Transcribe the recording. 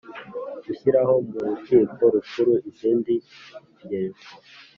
gushyiraho mu Rukiko Rukuru izindi ngereko